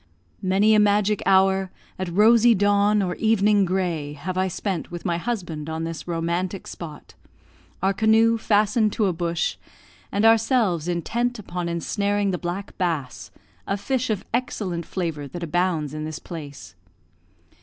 Many a magic hour, at rosy dawn, or evening grey, have I spent with my husband on this romantic spot; our canoe fastened to a bush, and ourselves intent upon ensnaring the black bass, a fish of excellent flavour that abounds in this place.